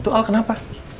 tuh al kenapa